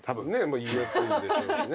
言いやすいでしょうしね。